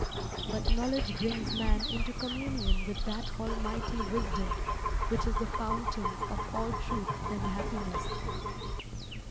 But knowledge brings man into communion with that Almighty wisdom which is the fountain of all truth and happiness.